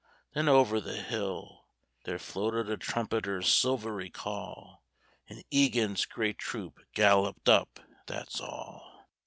Then over the hill There floated a trumpeter's silvery call, An' Egan's Grey Troop galloped up, that's all.